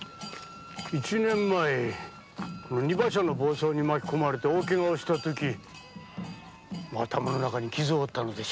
一年前荷馬車の暴走に巻き込まれ大ケガをした時頭の中に傷を負ったのでしょう。